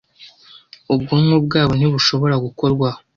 Ubwonko bwabo ntibushobora gukorwaho